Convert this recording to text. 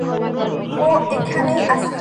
ও এখানেই আছে।